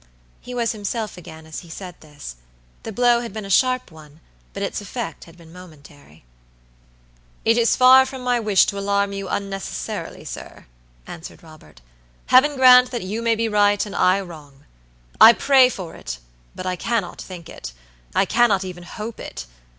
He was himself again as he said this. The blow had been a sharp one, but its effect had been momentary. "It is far from my wish to alarm you unnecessarily, sir," answered Robert. "Heaven grant that you may be right and I wrong. I pray for it, but I cannot think itI cannot even hope it.